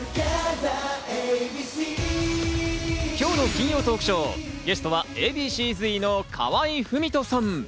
今日の金曜トークショー、ゲストはＡ．Ｂ．Ｃ−Ｚの河合郁人さん。